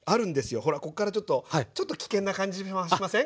ほらこっからちょっとちょっと危険な感じしません？